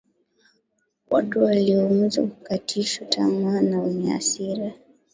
e watu walioumizwa kukatishwa tamaa na wenye hasira